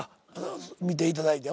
見ていただいて。